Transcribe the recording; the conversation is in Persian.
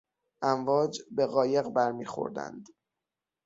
امواج به قایق برمیخوردند.